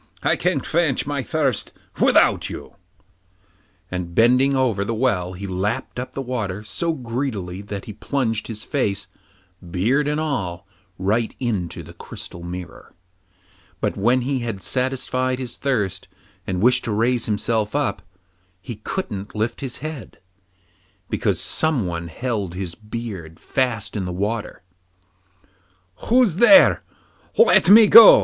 'I can quench my thirst without you,' and bending over the well he lapped up the water so greedily that he plunged his face, beard and all, right into the crystal mirror. But when he had satisfied his thirst, and wished to raise himself up, he couldn't lift his head, because someone held his beard fast in the water. 'Who's there? let me go!